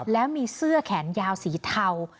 แล้วมีเสื้อแขนยาวสีเทา